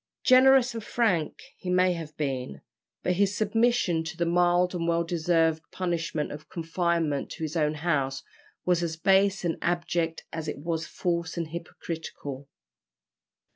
Generous and frank he may have been, but his submission to the mild and well deserved punishment of confinement to his own house was as base and abject as it was false and hypocritical.